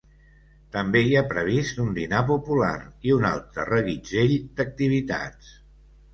També hi ha previst un dinar popular i un altre reguitzell d’activitats.